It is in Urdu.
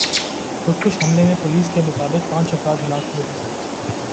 خودکش حملے میں پولیس کے مطابق پانچ افراد ہلاک ہوئے ہیں